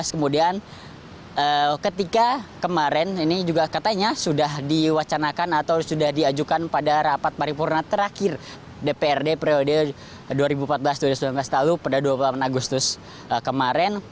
kemudian ketika kemarin ini juga katanya sudah diwacanakan atau sudah diajukan pada rapat paripurna terakhir dprd periode dua ribu empat belas dua ribu sembilan belas lalu pada dua puluh delapan agustus kemarin